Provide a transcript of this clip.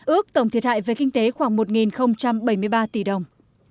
ước tổng thiệt hại về kinh tế khoảng một bảy mươi ba tỷ đồng